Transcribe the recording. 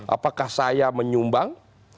apakah saya menyumbang